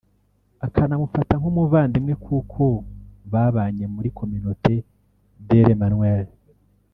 Akanamufata nk’umuvandimwe kuko babanye muri ‘Comminaute de l’Emmanuel’